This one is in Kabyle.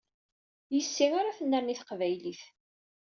Yes-i ara tennerni teqbaylit.